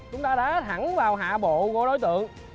chúng ta đã thẳng vào hạ bộ của đối tượng